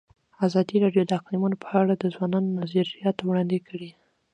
ازادي راډیو د اقلیتونه په اړه د ځوانانو نظریات وړاندې کړي.